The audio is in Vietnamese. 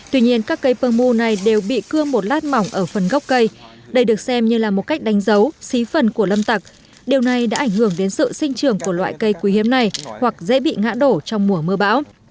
tuy nhiên các cây pơ mu này đều bị cương một lát mỏng ở phần gốc cây đây được xem như là một cách đánh dấu xí phần của lâm tặc điều này đã ảnh hưởng đến sự sinh trường của loại cây quý hiếm này hoặc dễ bị ngã đổ trong mùa mưa bão